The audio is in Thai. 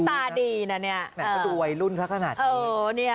แต่ก็ดูไอ้รุ่นซักขนาดนี้